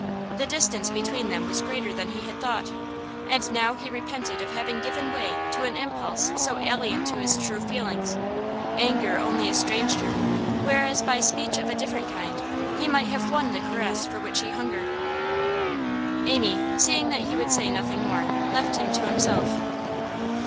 The distance between them was greater than he had thought, and now he repented of having given way to an impulse so alien to his true feelings; anger only estranged her, whereas by speech of a different kind he might have won the caress for which he hungered. Amy, seeing that he would say nothing more, left him to himself.